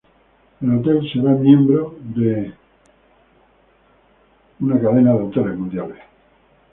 El hotel será miembro de The Leading Hotels of the World.